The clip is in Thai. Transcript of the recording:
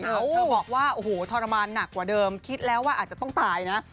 เธอบอกว่าโอ้โหทรมานหนักกว่าเดิมคิดแล้วว่าอาจจะต้องตายนะ